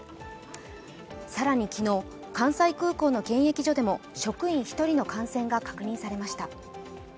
更に昨日、関西空港の検疫所でも職員１人の感染が確認されました。